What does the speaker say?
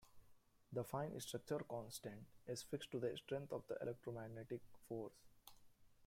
The fine structure constant is fixed to the strength of the electromagnetic force.